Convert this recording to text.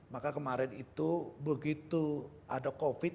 maka kemarin itu begitu ada covid